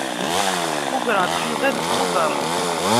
Mugreɣ-d Yuba deg Tuber.